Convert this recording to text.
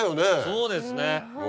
そうですね。